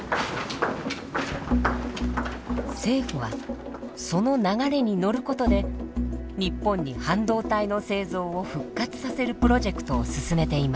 政府はその流れに乗ることで日本に半導体の製造を復活させるプロジェクトを進めています。